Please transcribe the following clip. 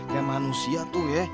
kayak manusia tuh ya